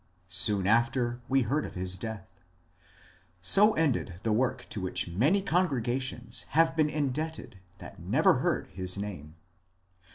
Soon after we heard of his death. So ended the work to which many congregations have been indebted that never heard his name.